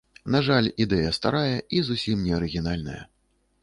На жаль, ідэя старая і зусім не арыгінальная.